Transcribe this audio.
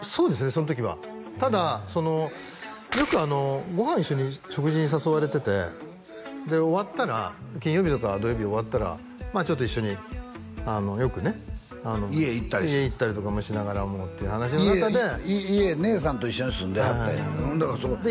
その時はただよくご飯一緒に食事に誘われててで終わったら金曜日とか土曜日終わったらちょっと一緒によくね家行ったりして家行ったりとかもしながらっていう話の中で家姉さんと一緒に住んではったんやで